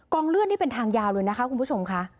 เลื่อนนี่เป็นทางยาวเลยนะคะคุณผู้ชมค่ะ